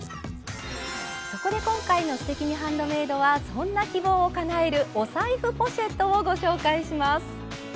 そこで今回の「すてきにハンドメイド」はそんな希望をかなえるお財布ポシェットをご紹介します。